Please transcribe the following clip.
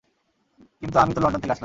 কিন্তু আমি তো লন্ডন থেকে আসলাম।